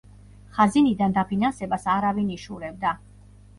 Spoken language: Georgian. ხაზინიდან დაფინანსებას არავინ იშურებდა.